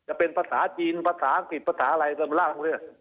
จะเป็นภาษาจีนภาษาอังกฤษภาษาอะไรตามล่างเลือก